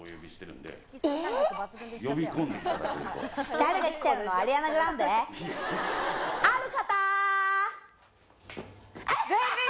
誰が来てるの？